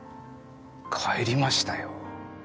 帰りましたよ。